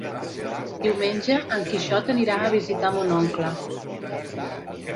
Diumenge en Quixot anirà a visitar mon oncle.